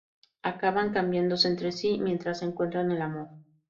Acaban cambiándose entre sí, mientras encuentran el amor.